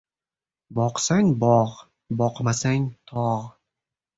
Boqsang — bog', boqmasang — tog'.